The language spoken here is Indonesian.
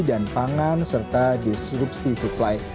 dan pangan serta disrupsi suplai